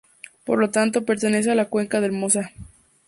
Por lo tanto, pertenece a la cuenca del Mosa.